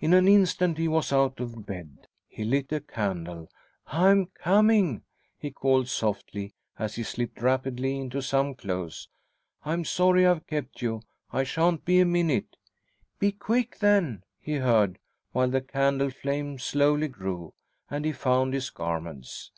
In an instant he was out of bed. He lit a candle. "I'm coming," he called softly, as he slipped rapidly into some clothes. "I'm sorry I've kept you. I shan't be a minute." "Be quick then!" he heard, while the candle flame slowly grew, and he found his garments.